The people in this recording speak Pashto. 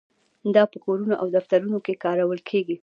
دا په کورونو او دفترونو کې کارول کیږي.